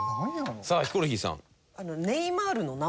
さあヒコロヒーさん。